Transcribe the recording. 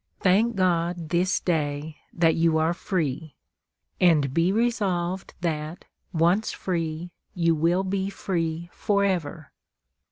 Thank God, this day, that you are free. And be resolved that, once free, you will be free forever.